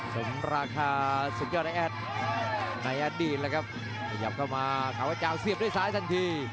สนราคาสุดยอดแอดนายอัดดีนเลยครับขยับเข้ามาเขาอาจารย์เสียบด้วยซ้ายสันที